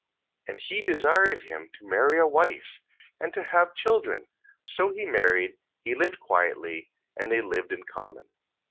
14:25. And he desired him to marry a wife, and to have children. So he married: he lived quietly, and they lived in common.